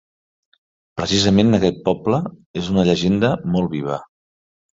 Precisament en aquest poble és una llegenda molt viva.